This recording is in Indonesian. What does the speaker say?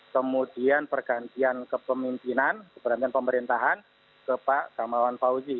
kemudian pergantian kepemimpinan pergantian pemerintahan ke pak damawan fauzi